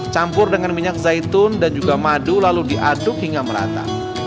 campur dengan minyak zaitun dan juga madu lalu diaduk hingga merata